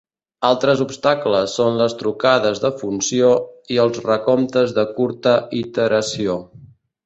Altres obstacles són les trucades de funció i els recomptes de curta iteració.